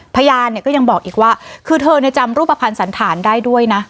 พยานเนี่ยก็ยังบอกอีกว่าคือเธอเนี่ยจำรูปภัณฑ์สันฐานได้ด้วยนะ